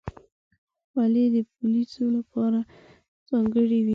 خولۍ د پولیسو لپاره ځانګړې وي.